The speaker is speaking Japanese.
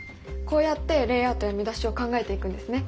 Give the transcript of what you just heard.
こうやってレイアウトや見出しを考えていくんですね。